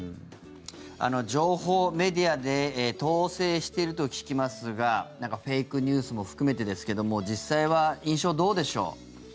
情報メディアで統制していると聞きますがフェイクニュースも含めてですが実際は印象どうでしょう？